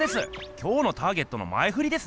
今日のターゲットの前ふりですね！